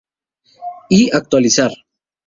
Y actualizar.